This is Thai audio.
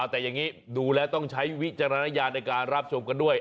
แต่อย่างนี้ดูแล้วต้องใช้วิจารณญาณในการรับชมกันด้วย